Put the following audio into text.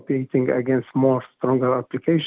perusahaan yang lebih kuat